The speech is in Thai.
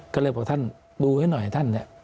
ก็เลยบอกท่านดูให้หน่อยท่านเนี่ย